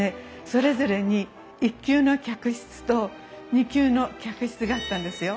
それぞれに１級の客室と２級の客室があったんですよ。